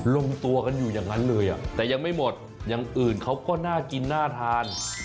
ลงตัวกันอยู่อย่างนั้นเลยแต่ยังไม่หมดอย่างอื่นเขาก็น่ากินน่าทาน